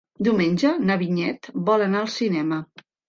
Diumenge na Vinyet vol anar al cinema.